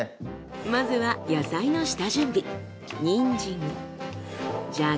まずは野菜の下準備。